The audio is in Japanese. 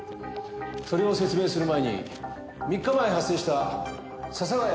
それを説明する前に３日前発生した笹ヶ谷